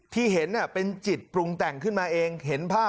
ที่เห็นเป็นจิตปรุงแต่งขึ้นมาเองเห็นภาพ